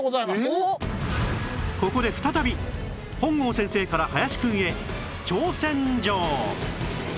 ここで再び本郷先生から林くんへ挑戦状